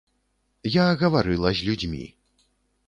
Я гаварыла з людзьмі.